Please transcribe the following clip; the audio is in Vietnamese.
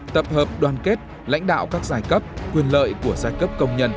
tập hợp đoàn kết lãnh đạo các giai cấp quyền lợi của giai cấp công nhân